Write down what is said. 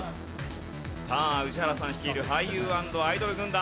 さあ宇治原さん率いる俳優＆アイドル軍団。